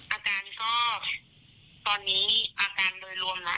อาการก็ตอนนี้อาการโดยรวมแล้ว